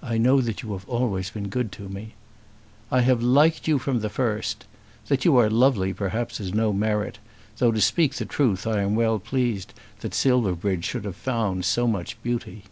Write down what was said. "I know that you have always been good to me." "I have liked you from the first. That you are lovely perhaps is no merit; though, to speak the truth, I am well pleased that Silverbridge should have found so much beauty."